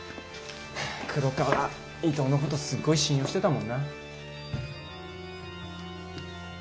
黒川伊藤のことすっごい信用してたもんな。